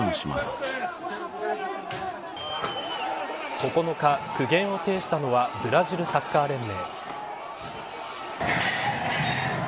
９日、苦言を呈したのはブラジルサッカー連盟。